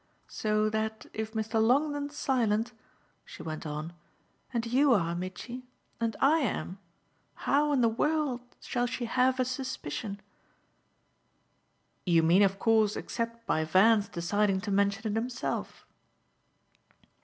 So that if Mr. Longdon's silent," she went on, "and you are, Mitchy, and I am, how in the world shall she have a suspicion?" "You mean of course except by Van's deciding to mention it himself."